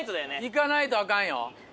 いかないとアカンよ。